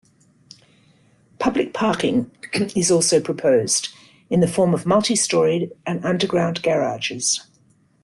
Public parking is also proposed in the form of multi-storied and underground garages.